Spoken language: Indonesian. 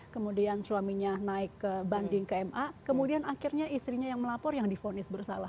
kemudian suaminya naik banding kma kemudian akhirnya istrinya yang melapor yang difonis bersalah